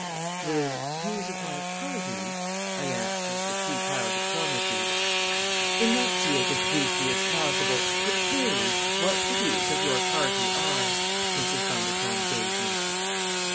"The views of my party," I answered, with futile diplomacy. "Enunciate as briefly as possible, but clearly, what the views of your party are," Mrs. Bundercombe bade me.